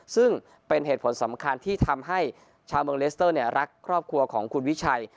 ซึ่งเป็นเหตุผลสำคัญที่ทำให้ชาวเมืองเลสเตอร์รักครอบครัวของคุณวิชัย